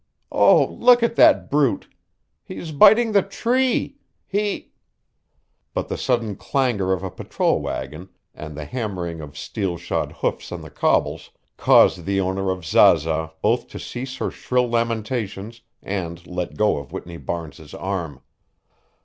Oh, look at that brute. He is biting the tree. He " But the sudden clangor of a patrol wagon and the hammering of steel shod hoofs on the cobbles caused the owner of Zaza both to cease her shrill lamentations and let go of Whitney Barnes's arm.